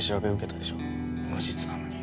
無実なのに。